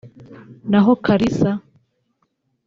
n’aho Kalisa